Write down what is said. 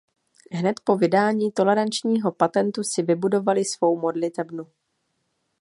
Hned po vydání tolerančního patentu si vybudovali svou modlitebnu.